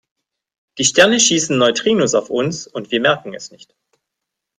Die Sterne schießen Neutrinos auf uns und wir merken es nicht.